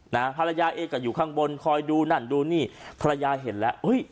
นะฮะภรรยาเองก็อยู่ข้างบนคอยดูนั่นดูนี่ภรรยาเห็นแล้วอุ้ย